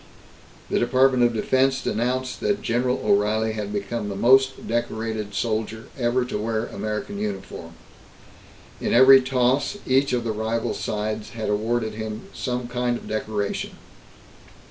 The Department of Defense announced that General O'Reilly had become the most decorated soldier ever to wear American uniform. In every toss, each of the rival sides had awarded him some kind of decoration.